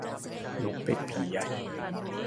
นกเป็ดผีใหญ่